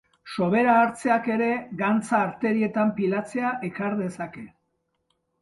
Sobera hartzeak ere gantza arterietan pilatzea ekar dezake.